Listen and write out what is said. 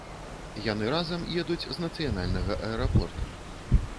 Яны разам едуць з нацыянальнага аэрапорта.